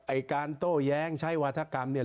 ไอ้การโต้แย้งใช้วาธกรรมเนี่ย